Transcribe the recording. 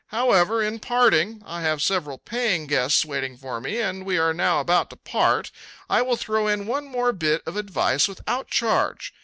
However, in parting I have several paying guests waiting for me and we are now about to part I will throw in one more bit of advice without charge.